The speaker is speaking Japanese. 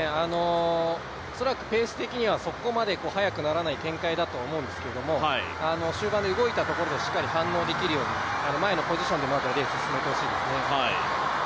恐らく、ペース的にはそこまで速くならない展開だと思うんですけど終盤で動いたところでしっかり反応できるように前のポジションでまずはレース進めてほしいですね。